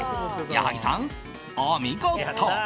矢作さん、お見事！